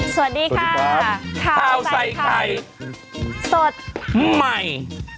สวัสดีค่ะสวัสดีครับข้าวใส่ไข่สดใหม่